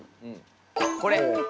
これ。